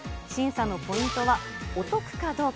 審査のポイントは、お得かどうか。